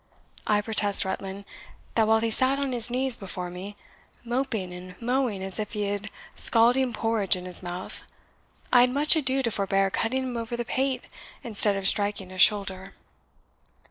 I protest, Rutland, that while he sat on his knees before me, mopping and mowing as if he had scalding porridge in his mouth, I had much ado to forbear cutting him over the pate, instead of striking his shoulder."